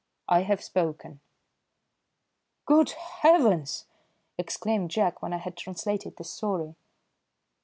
I have spoken." "Good heavens!" exclaimed Jack when I had translated the story.